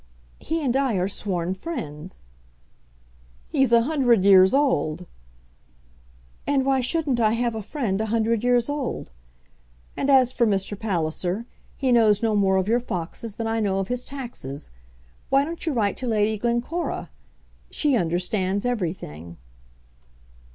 "He and I are sworn friends." "He's a hundred years old." "And why shouldn't I have a friend a hundred years old? And as for Mr. Palliser, he knows no more of your foxes than I know of his taxes. Why don't you write to Lady Glencora? She understands everything."